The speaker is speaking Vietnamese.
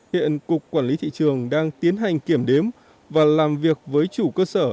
hiện cục quản lý thị trường đang tiến hành kiểm đếm và làm việc với chủ cơ sở